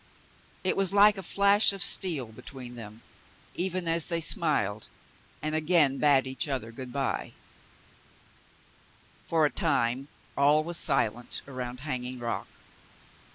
It was like a flash of steel between them, even as they smiled and again bade each other good by. For a time all was silent around Hanging Rock.